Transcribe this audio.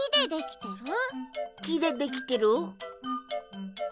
きでできてる？